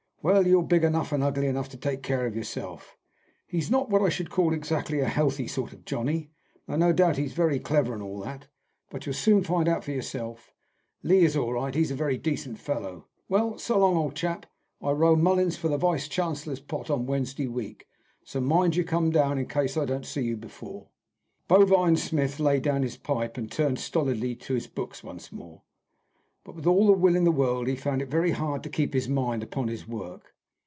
"Well, you're big enough and ugly enough to take care of yourself. He's not what I should call exactly a healthy sort of Johnny, though, no doubt, he's very clever, and all that. But you'll soon find out for yourself. Lee is all right; he's a very decent little fellow. Well, so long, old chap! I row Mullins for the Vice Chancellor's pot on Wednesday week, so mind you come down, in case I don't see you before." Bovine Smith laid down his pipe and turned stolidly to his books once more. But with all the will in the world, he found it very hard to keep his mind upon his work.